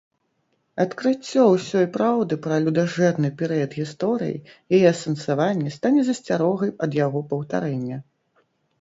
Адкрыццё ўсёй праўды пра людажэрны перыяд гісторыі, яе асэнсаванне стане засцярогай ад яго паўтарэння.